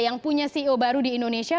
yang punya ceo baru di indonesia